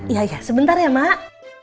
iya iya sebentar ya mak